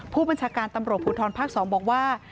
ผู้บัญชาการตำรวจภูทรภาค๒บอกว่า